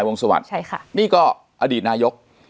นี่ก็อดีตนายก